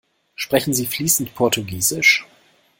Sprechen Sie fließend Portugiesisch?